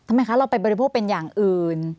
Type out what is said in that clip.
ทำไมคะเราไปบริโภคเป็นอย่างอื่น